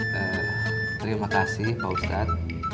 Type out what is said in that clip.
terima kasih pak ustadz